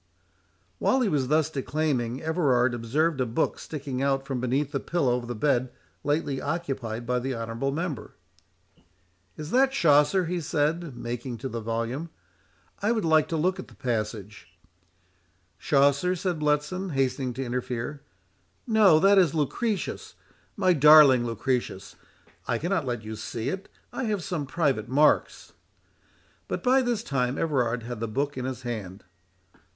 '" While he was thus declaiming, Everard observed a book sticking out from beneath the pillow of the bed lately occupied by the honourable member. "Is that Chaucer?" he said, making to the volume; "I would like to look at the passage"— "Chaucer?" said Bletson, hastening to interfere; "no—that is Lucretius, my darling Lucretius. I cannot let you see it; I have some private marks." But by this time Everard had the book in his hand.